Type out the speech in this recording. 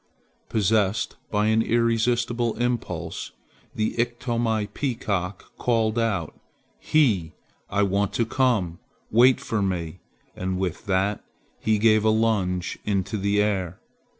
Possessed by an irrepressible impulse the Iktomi peacock called out, "He! I want to come! Wait for me!" and with that he gave a lunge into the air.